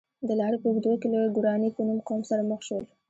د لارې په اوږدو کې له ګوراني په نوم قوم سره مخ شول.